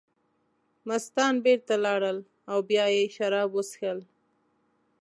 مستان بېرته لاړل او بیا یې شراب وڅښل.